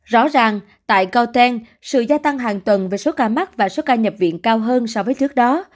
rõ ràng tại cotten sự gia tăng hàng tuần về số ca mắc và số ca nhập viện cao hơn so với trước đó